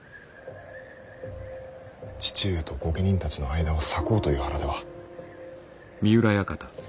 父上と御家人たちの間を裂こうという腹では。